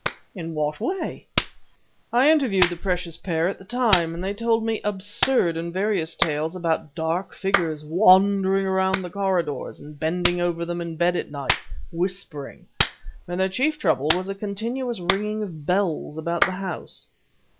"In what way?" "I interviewed the precious pair at the time, and they told me absurd and various tales about dark figures wandering along the corridors and bending over them in bed at night, whispering; but their chief trouble was a continuous ringing of bells about the house."